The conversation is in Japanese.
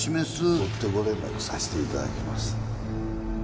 追ってご連絡させていただきます